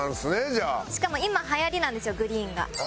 しかも今はやりなんですよグリーンが。